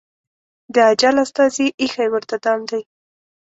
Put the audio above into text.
د اجل استازي ایښی ورته دام دی